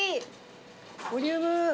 ボリューム。